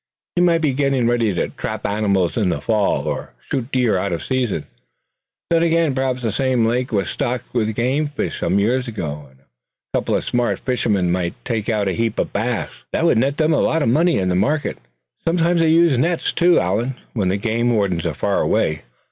He might be getting ready to trap animals in the fall; or shoot deer out of season. Then again, perhaps this same lake was stocked with game fish some years ago, and a couple of smart fishermen might take out a heap of bass that would net them a lot of money in the market. Sometimes they use nets too, Allan, when the game wardens are far away."